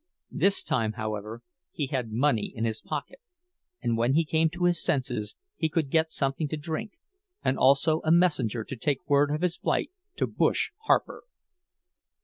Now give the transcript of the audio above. This time, however, he had money in his pocket, and when he came to his senses he could get something to drink, and also a messenger to take word of his plight to "Bush" Harper.